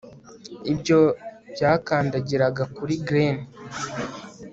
Ibyo byakandagiraga kuri glen